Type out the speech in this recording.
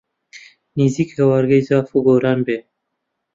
نزیک هەوارگەی جاف و گۆران بێ